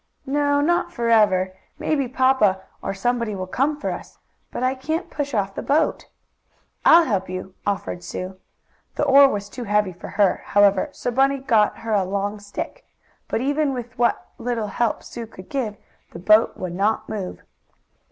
"No, not forever. Maybe papa, or somebody will come for us. But I can't push off the boat." "I'll help you," offered Sue. The oar was too heavy for her, however, so Bunny got her a long stick. But, even with what little help Sue could give, the boat would not move.